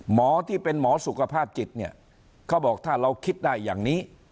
หมอที่เป็นหมอสุขภาพจิตเนี่ยเขาบอกถ้าเราคิดได้อย่างนี้